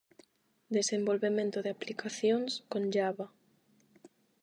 Desenvolvemento de aplicacións con Java.